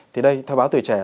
thì đây theo báo tuổi trẻ